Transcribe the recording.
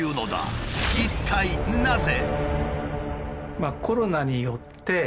一体なぜ？